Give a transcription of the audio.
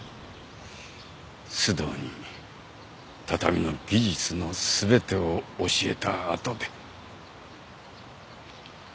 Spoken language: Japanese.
須藤に畳の技術の全てを教えたあとで。